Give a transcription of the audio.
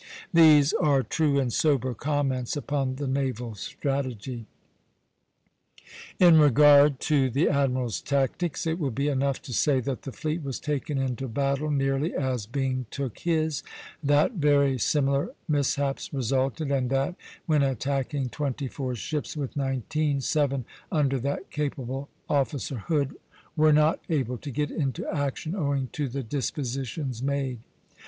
" These are true and sober comments upon the naval strategy. In regard to the admiral's tactics, it will be enough to say that the fleet was taken into battle nearly as Byng took his; that very similar mishaps resulted; and that, when attacking twenty four ships with nineteen, seven, under that capable officer Hood, were not able to get into action, owing to the dispositions made.